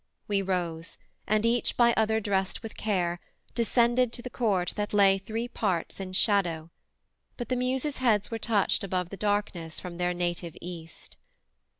We rose, and each by other drest with care Descended to the court that lay three parts In shadow, but the Muses' heads were touched Above the darkness from their native East.